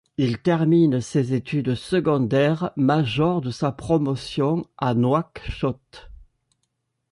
Il termine ses études secondaires major de sa promotion à Nouakchott.